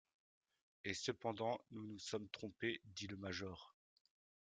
Et cependant, nous nous sommes trompés, dit le major.